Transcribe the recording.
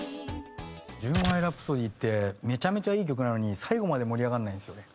『純愛ラプソディ』ってめちゃめちゃいい曲なのに最後まで盛り上がらないんですよね。